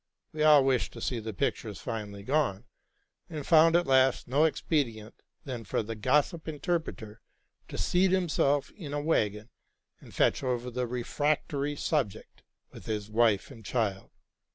We all wished to see the pictures finally gone, and found at last no expedient than for the gossip inter preter to seat himself in a wagon, and fetch over the refrac tory subject, with his wife and 'child.